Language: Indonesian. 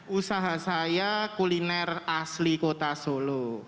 usaha saya kuliner asli kota solo